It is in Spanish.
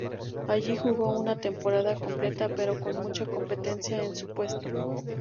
Allí jugó una temporada completa, pero con mucha competencia en su puesto.